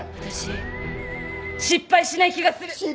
私失敗しない気がする。